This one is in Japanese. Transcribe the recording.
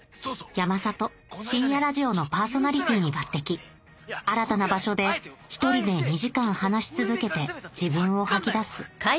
山里深夜ラジオのパーソナリティーに抜てき新たな場所で１人で２時間話し続けて自分を吐き出す